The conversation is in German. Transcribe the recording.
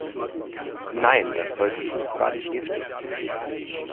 Nein, das Zeug ist hochgradig giftig.